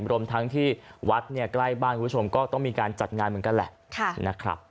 รวมทั้งที่วัดเนี่ยใกล้บ้านคุณผู้ชมก็ต้องมีการจัดงานเหมือนกันแหละนะครับ